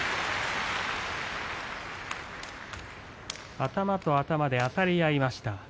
頭と頭であたり合いました。